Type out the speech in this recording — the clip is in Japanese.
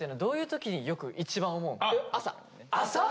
朝！？